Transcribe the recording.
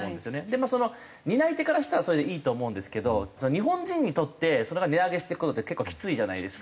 でも担い手からしたらそれでいいと思うんですけど日本人にとってそれが値上げしていく事って結構きついじゃないですか。